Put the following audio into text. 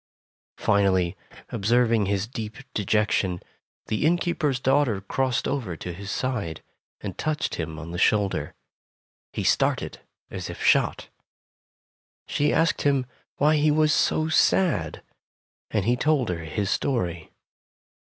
Finally, observing his deep dejection, the innkeeper's daughter crossed over to his side, and touched him Tales of Modern Germany 53 on the shoulder. He started as if shot. She asked him why he was so sad, and he told her his story.